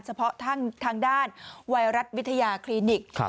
เฉพาะทางด้านไวรัสวิทยาคลินิก